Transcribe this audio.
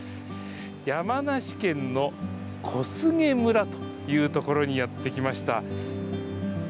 山梨県の小菅村という所にやって来ました。